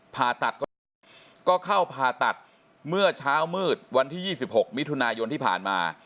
ผ่าตัดก็ได้ก็เข้าผ่าตัดเมื่อเช้ามืดวันที่๒๖มิถุนายนที่ผ่านมา